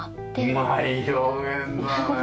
うまい表現だね。